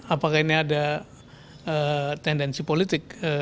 apakah ini ada tendensi politik